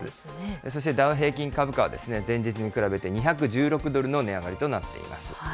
そしてダウ平均株価は前日に比べて２１６ドルの値上がりとなっています。